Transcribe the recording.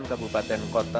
sembilan kabupaten kota